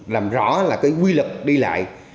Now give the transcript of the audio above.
làm rõ là cái quy lực đi lại